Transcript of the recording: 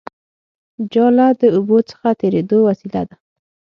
جاله د اوبو څخه تېرېدو وسیله ده